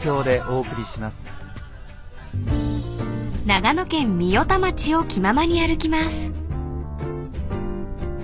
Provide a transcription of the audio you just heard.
［長野県御代田町を気ままに歩きます］